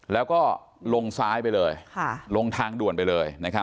แล้วก็ลงซ้ายไปเลยลงทางด่วนไปเลย